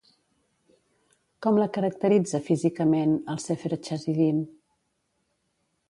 Com la caracteritza, físicament, el Sefer Chasidim?